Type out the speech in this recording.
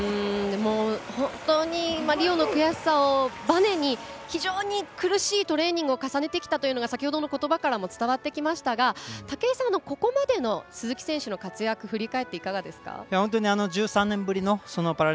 本当にリオの悔しさをバネに非常に苦しいトレーニングを重ねてきたというのが先ほどのことばからも伝わってきましたが武井さん、ここまでの鈴木選手の活躍を振り返っていかがですか。